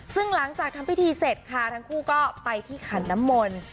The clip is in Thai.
ซึ่งหลังจากทำพิธีเสร็จค่ะทั้งคู่ก็ไปที่ขันน้ำมนต์